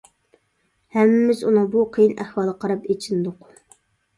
ھەممىمىز ئۇنىڭ بۇ قىيىن ئەھۋالىغا قاراپ ئېچىندۇق.